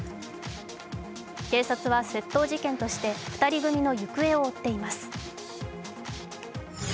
警察は窃盗事件として２人組の行方を追っています。